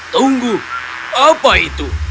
tunggu apa itu